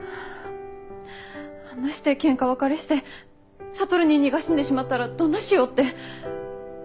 あんなしてケンカ別れして智ニーニーが死んでしまったらどんなしようって。